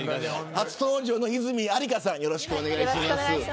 初登場の泉ありかさんよろしくお願いします。